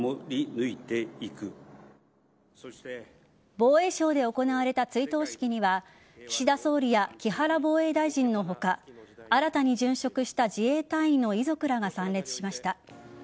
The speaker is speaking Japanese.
防衛省で行われた追悼式には岸田総理や木原防衛大臣の他新たに殉職した自衛隊員の遺族らが参列しました。